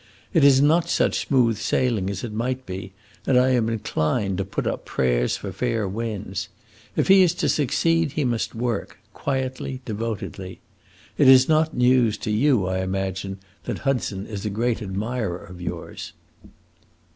It is not such smooth sailing as it might be, and I am inclined to put up prayers for fair winds. If he is to succeed, he must work quietly, devotedly. It is not news to you, I imagine, that Hudson is a great admirer of yours."